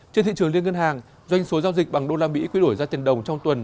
trên thị trường liên ngân hàng doanh số giao dịch bằng usd quy đổi ra tiền đồng trong tuần